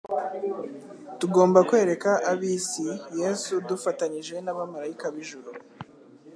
Tugomba kwereka ab'isi Yesu dufatanyije n'abamaraika b'ijuru.